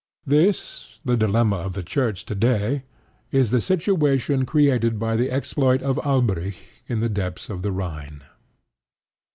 This, the dilemma of the Church today, is the situation created by the exploit of Alberic in the depths of the Rhine.